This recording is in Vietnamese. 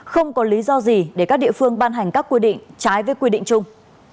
không có lý do gì để các địa phương ban hành các quy định trái với quy định chung